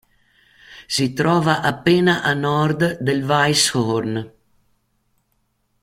Si trova appena a nord del Weisshorn.